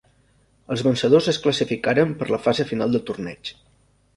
Els vencedors es classificaren per la fase final del torneig.